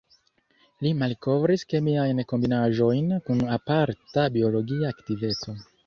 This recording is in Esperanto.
Li malkovris kemiajn kombinaĵojn kun aparta biologia aktiveco.